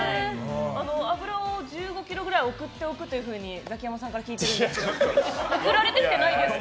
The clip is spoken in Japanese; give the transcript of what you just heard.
脂を１５ｋｇくらい送っておくというふうにザキヤマさんから聞かされてるんですけど送られてきてないですか？